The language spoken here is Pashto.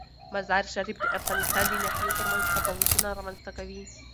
مزارشریف د افغانستان د ناحیو ترمنځ تفاوتونه رامنځ ته کوي.